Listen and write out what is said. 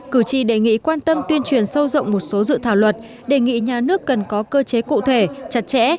cử tri đề nghị quan tâm tuyên truyền sâu rộng một số dự thảo luật đề nghị nhà nước cần có cơ chế cụ thể chặt chẽ